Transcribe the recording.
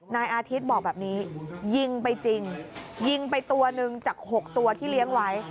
นายอาทิตย์บอกแบบนี้ยิงไปจริงยิงไปตัวหนึ่งจาก๖ตัวที่เลี้ยงไว้